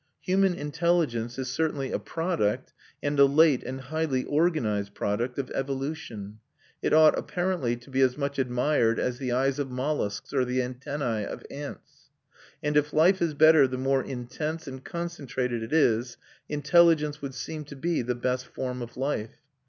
Human intelligence is certainly a product, and a late and highly organised product, of evolution; it ought apparently to be as much admired as the eyes of molluscs or the antennae of ants. And if life is better the more intense and concentrated it is, intelligence would seem to be the best form of life.